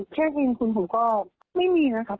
แค่ยิงคุณผมก็ไม่มีนะครับ